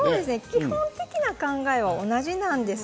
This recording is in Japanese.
基本的な考えは同じです。